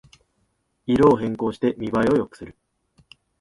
色を変更して見ばえを良くする